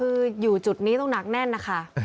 คืออยู่จุดนี้ต้องหนักแน่นนะคะ